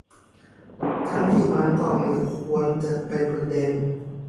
ทั้งที่มันก็ไม่ควรจะเป็นประเด็น